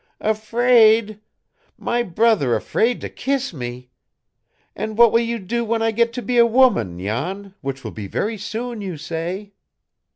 "Afraid! My brother afraid to kiss me! And what will you do when I get to be a woman, Jan which will be very soon, you say?"